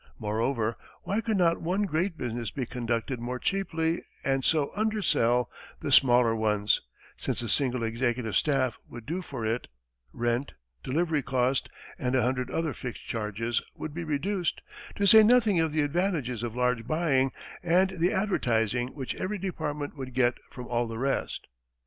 Moreover, why could not one great business be conducted more cheaply, and so undersell, the small ones, since a single executive staff would do for it, rent, delivery cost, and a hundred other fixed charges would be reduced, to say nothing of the advantages of large buying, and the advertising which every department would get from all the rest?